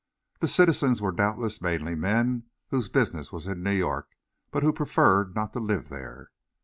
The citizens were doubtless mainly men whose business was in New York, but who preferred not to live there.